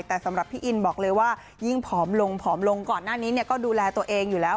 แต่สำหรับพี่อินบอกเลยว่ายิ่งผอมลงผอมลงก่อนหน้านี้เนี่ยก็ดูแลตัวเองอยู่แล้ว